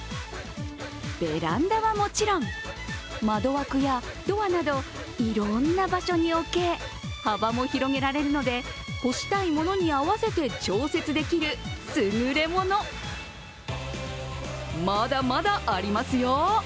ベランダはもちろん、窓枠やドアなど、いろんな場所に置け、幅も広げられるので干したい物に合わせて調節できるすぐれもの・まだまだありますよ。